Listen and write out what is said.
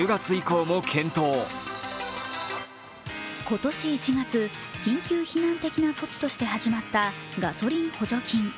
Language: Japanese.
今年１月、緊急避難的な措置として始まったガソリン補助金。